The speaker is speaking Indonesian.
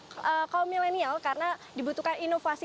kaum milenial karena dibutuhkan inovasi